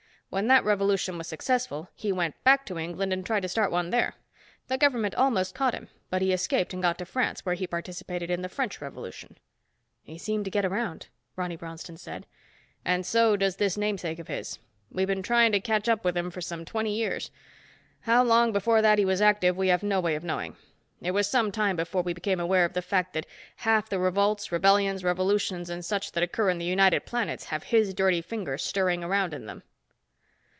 When that revolution was successful he went back to England and tried to start one there. The government almost caught him, but he escaped and got to France where he participated in the French Revolution." "He seemed to get around," Ronny Bronston said. "And so does this namesake of his. We've been trying to catch up with him for some twenty years. How long before that he was active, we have no way of knowing. It was some time before we became aware of the fact that half the revolts, rebellions, revolutions and such that occur in the United Planets have his dirty finger stirring around in them."